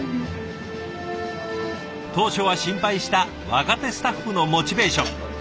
当初は心配した若手スタッフのモチベーション。